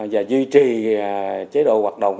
và duy trì chế độ hoạt động